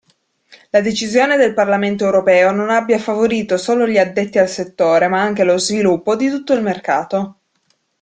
La decisione del Parlamento Europeo non abbia favorito solo gli addetti al settore, ma anche lo sviluppo di tutto il mercato.